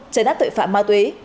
chấn át tội phạm ma túy